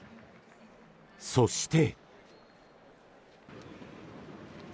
そして。